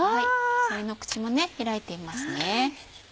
あさりの口も開いていますね。